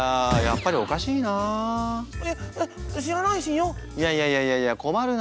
いやいやいやいやいやいや困るなあ。